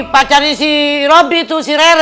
pacarnya si robby itu si rere bilang